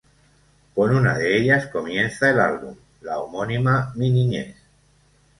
Con una de ellas comienza el álbum, la homónima ""Mi niñez"".